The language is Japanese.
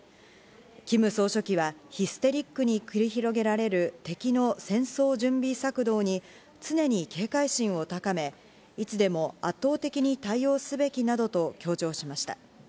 キム総書記はヒステリックに繰り広げられる敵の戦争準備策動に常に警戒心を高め、いつでも圧倒的に対応すべきなどと強調しました。